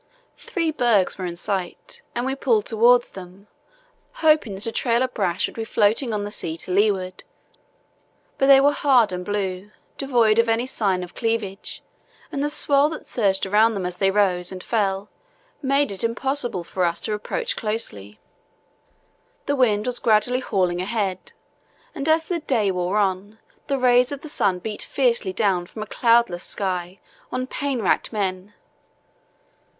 Three bergs were in sight and we pulled towards them, hoping that a trail of brash would be floating on the sea to leeward; but they were hard and blue, devoid of any sign of cleavage, and the swell that surged around them as they rose and fell made it impossible for us to approach closely. The wind was gradually hauling ahead, and as the day wore on the rays of the sun beat fiercely down from a cloudless sky on pain racked men.